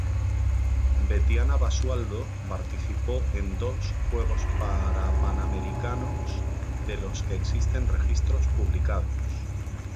Betiana Basualdo participó en dos Juegos Parapanamericanos de los que existen registros publicados.